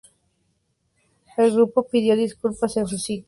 El grupo pidió disculpas en su sitio web para tener el show cancelado.